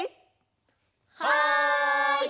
はい！